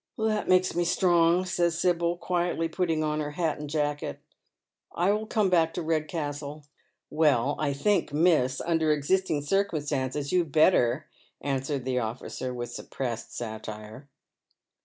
" That makes me strong," says Sibyl, quietly putting on her hat and jacket. " I will come back to Eedcastle." "Well, I think, miss, under existing circumstances you'd better," answers the officer, with suppressed satire.